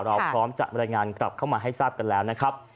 พร้อมจะบรรยายงานกลับเข้ามาให้ทราบกันแล้วนะครับ